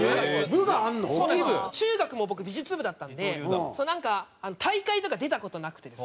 中学も僕美術部だったんでなんか大会とか出た事なくてですね。